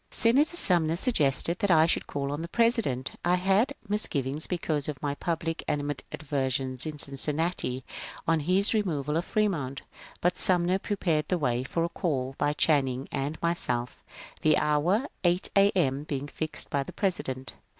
Senator Sumner suggested that I should call on the Presi dent. I had misgivings because of my public animadversions in Cincinnati on his removal of Fremont, but Sumner pre pared the way for a caU by Channing and myself, the hour of 8 A. M. being fixed by the President.